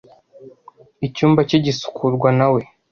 Icyumba cye gisukurwa na we.